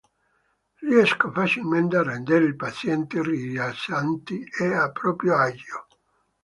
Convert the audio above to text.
Riesco facilmente a rendere i pazienti rilassati e a proprio agio.